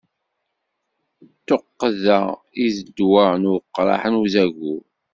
D tuqqda i d ddwa n uqraḥ n uzagur.